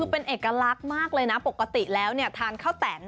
เป็นเอกลักษณ์มากเลยนะปกติแล้วทานข้าวแตน